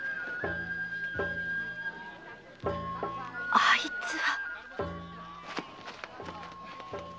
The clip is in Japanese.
あいつは！